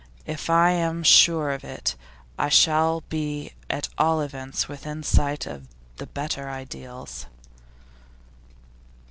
If I am sure of it, I shall be at all events within sight of the better ideals.